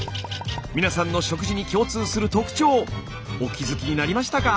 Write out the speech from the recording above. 皆さんの食事に共通する特徴お気付きになりましたか？